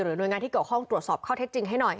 หน่วยงานที่เกี่ยวข้องตรวจสอบข้อเท็จจริงให้หน่อย